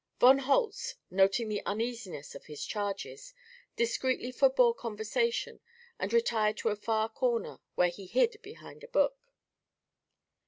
Von Holtz, noting the uneasiness of his charges, discreetly forbore conversation and retired to a far corner where he hid behind a book.